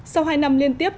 sau hai năm liên tiếp